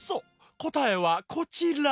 こたえはこちら！